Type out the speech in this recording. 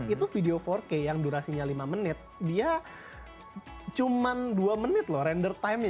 itu video empat k yang durasinya lima menit dia cuma dua menit loh render time nya